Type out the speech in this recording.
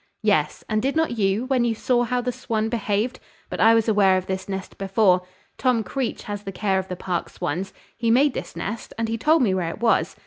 "Yes; and did not you, when you saw how the swan behaved? But I was aware of this nest before. Tom Creach has the care of the park swans; he made this nest, and he told me where it was.